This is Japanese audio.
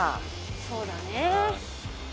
そうだね。